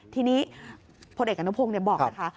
ทีนี้พลเอกอนุพงศ์บอกนะคะ